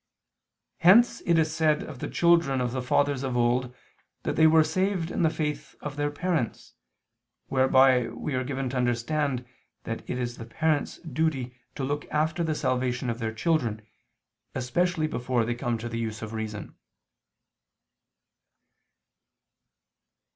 Hence it is said of the children of the fathers of old that they were saved in the faith of their parents; whereby we are given to understand that it is the parents' duty to look after the salvation of their children, especially before they come to the use of reason.